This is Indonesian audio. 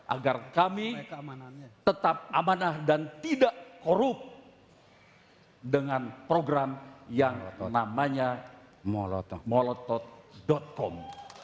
agar kami tetap amanah dan tidak korup dengan program yang atau namanya molotot com